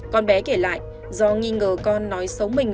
con bé kể lại do nghi ngờ con nói xấu mình